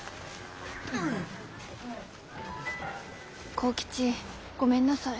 幸吉ごめんなさい。